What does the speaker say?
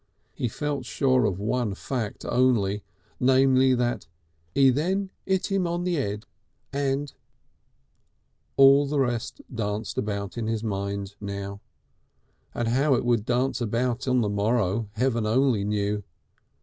He felt sure of one fact only, namely, that "'E then 'It 'Im on the 'Ed and " All the rest danced about in his mind now, and how it would dance about on the morrow Heaven only knew.